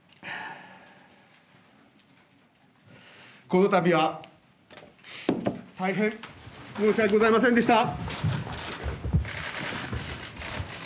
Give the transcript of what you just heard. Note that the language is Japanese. このたびは、大変申し訳ございませんでした。